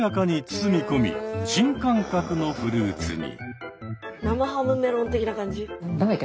新感覚のフルーツに。